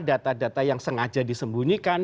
data data yang sengaja disembunyikan